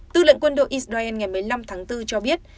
tư lệnh quân đội israel ngày một mươi năm tháng bốn cho biết